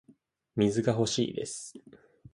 水が欲しいです